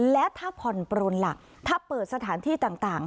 และถ้าผ่อนปลนล่ะถ้าเปิดสถานที่ต่าง